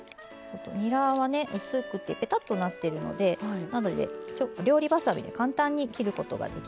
にらはね薄くてぺたっとなってるので料理ばさみで簡単に切ることができます。